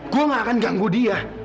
gue gak akan ganggu dia